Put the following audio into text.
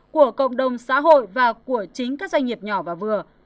của cộng đồng xã hội và của chính các doanh nghiệp nhỏ và vừa